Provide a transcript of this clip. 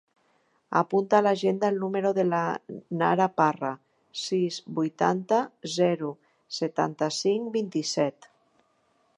Apunta a l'agenda el número de la Nara Parra: sis, vuitanta, zero, setanta-cinc, vint-i-set.